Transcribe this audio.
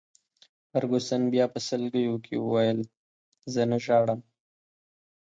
فرګوسن بیا په سلګیو کي وویل: زه نه ژاړم.